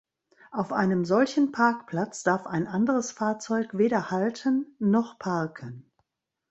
Auf einem solchen Parkplatz darf ein anderes Fahrzeug weder halten noch parken.